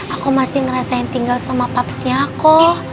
aku masih ngerasain tinggal sama pupsnya aku